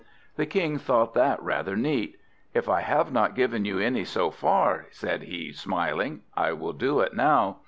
The King thought that rather neat. "If I have not given you any so far," said he, smiling, "I will do it now."